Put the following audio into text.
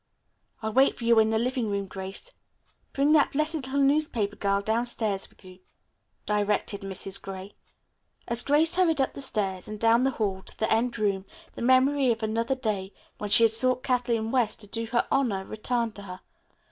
"I'll wait for you in the living room, Grace. Bring that blessed little newspaper girl down stairs with you," directed Mrs. Gray. As Grace hurried up the stairs and down the hall to the end room the memory of another day, when she had sought Kathleen West to do her honor, returned to her.